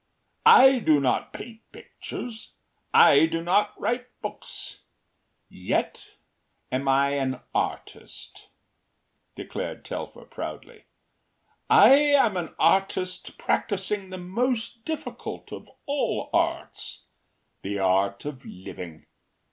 “I do not paint pictures; I do not write books; yet am I an artist,” declared Telfer, proudly. “I am an artist practising the most difficult of all arts the art of living.